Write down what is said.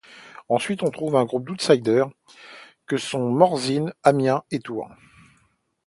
Ensuite, on trouve un groupe d'outsiders, que sont Morzine, Amiens et Tours.